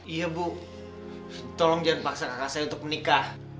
iya bu tolong jangan paksa kakak saya untuk menikah